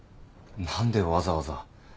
何でわざわざ？